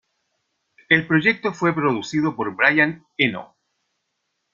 El proyecto fue producido por Brian Eno.